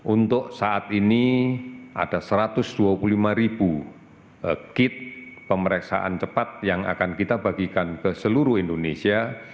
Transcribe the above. untuk saat ini ada satu ratus dua puluh lima ribu kit pemeriksaan cepat yang akan kita bagikan ke seluruh indonesia